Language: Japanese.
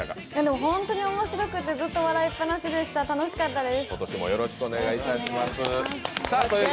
ホントに面白くてずっと笑いっぱなしでした楽しかったです。